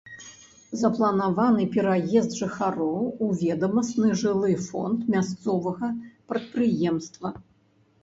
Запланаваны пераезд жыхароў у ведамасны жылы фонд мясцовага прадпрыемства.